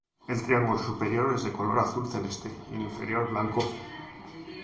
El triángulo superior es de color azul celeste y el inferior blanco.